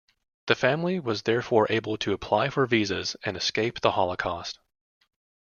The family was therefore able to apply for visas and escape the Holocaust.